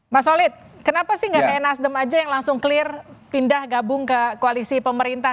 mas solid kenapa sih nggak kayak nasdem aja yang langsung clear pindah gabung ke koalisi pemerintah